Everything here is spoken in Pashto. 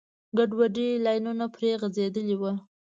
ګډوډ لاینونه پرې غځېدلي وو.